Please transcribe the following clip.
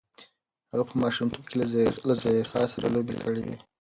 هغه په ماشومتوب کې له زلیخا سره لوبې کړې وې.